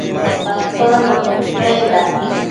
Atoda nuqui pendac?